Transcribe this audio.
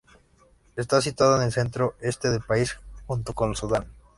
Está situada en el centro-este del país, junto con Sudán.